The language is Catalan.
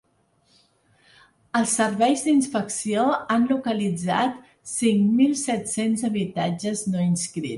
Els serveis d’inspecció han localitzat cinc mil set-cents habitatges no inscrits.